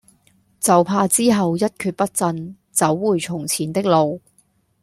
就怕之後一厥不振，走回從前的路